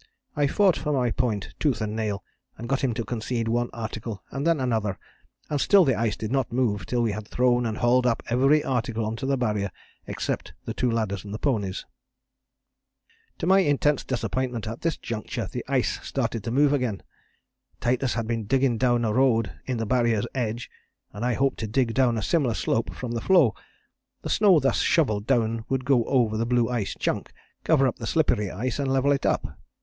I fought for my point tooth and nail, and got him to concede one article and then another, and still the ice did not move till we had thrown and hauled up every article on to the Barrier except the two ladders and the ponies. "To my intense disappointment at this juncture the ice started to move again. Titus had been digging down a road in the Barrier edge, and I hoped to dig down a similar slope from the floe, the snow thus shovelled down would go over the blue ice chunk, cover up the slippery ice and level it up.